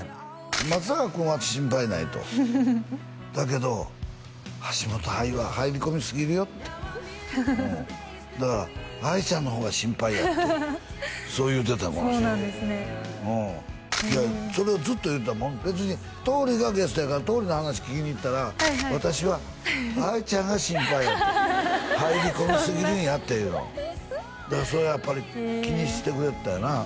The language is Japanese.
松坂君は心配ないとだけど橋本愛は入り込みすぎるよってうんだから愛ちゃんの方が心配やってそう言うてたこの人そうなんですねそれをずっと言うてたもん別に桃李がゲストやから桃李の話聞きに行ったら私は愛ちゃんが心配やと入り込みすぎるんやっていうのをだからそれはやっぱり気にしてくれよったよな